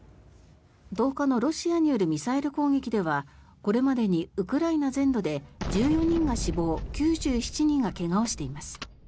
１０日のロシアによるミサイル攻撃ではこれまでにウクライナ全土で１４人が死亡９７人が怪我をしています。